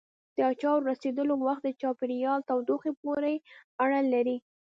د اچارو رسېدلو وخت د چاپېریال تودوخې پورې اړه لري.